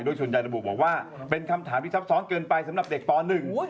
ด้วยชนใจระบุบอกว่าเป็นคำถามที่ช้อปซ้อนเกินไปสำหรับเด็กป่อนึง